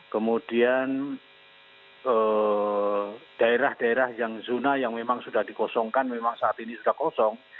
kemudian daerah daerah yang zona yang memang sudah dikosongkan memang saat ini sudah kosong